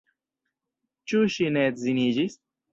Ĉu ŝi ne edziniĝis?